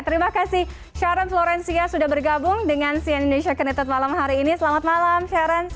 terima kasih sharon florencia sudah bergabung dengan cn indonesia connected malam hari ini selamat malam sharon